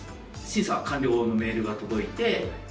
審査完了のメールが届いて。